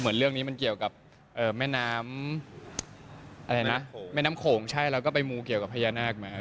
เหมือนเรื่องนี้มันเกี่ยวกับแม่น้ำโข่งใช่แล้วก็ไปมูเกี่ยวกับพญานาคมา